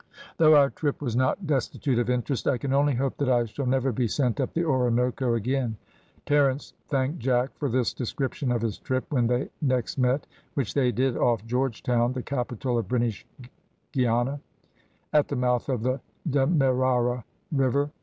"Though our trip was not destitute of interest, I can only hope that I shall never be sent up the Orinoco again." Terence thanked Jack for this description of his trip when they next met, which they did off Georgetown, the capital of British Guiana, at the mouth of the Demerara river.